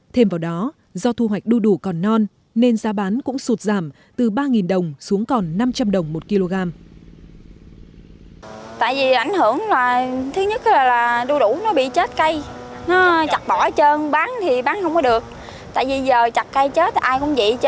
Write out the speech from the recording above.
thêm vào đó do thu hoạch đu đủ còn non nên giá bán cũng sụt giảm từ ba đồng xuống còn năm trăm linh đồng một kg